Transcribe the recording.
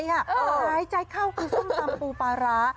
หายใจเข้าคือส้มตำปูปลาร้า